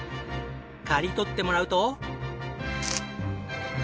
刈り取ってもらうと。